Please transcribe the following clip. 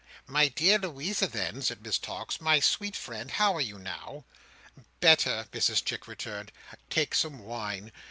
"My dear Louisa then," said Miss Tox, "my sweet friend, how are you now?" "Better," Mrs Chick returned. "Take some wine.